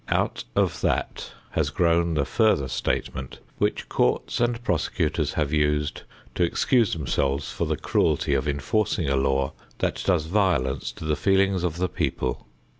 Out of that has grown the further statement which courts and prosecutors have used to excuse themselves for the cruelty of enforcing a law that does violence to the feelings of the people.